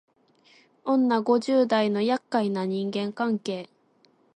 女五十代のやっかいな人間関係